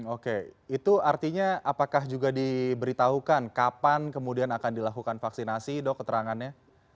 oke itu artinya apakah juga diberitahukan kapan kemudian akan dilakukan vaksinasi dok keterangannya